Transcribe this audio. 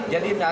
jadi tidak ada